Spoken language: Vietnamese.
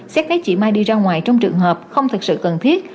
xét thấy chị mai đi ra ngoài trong trường hợp không thực sự cần thiết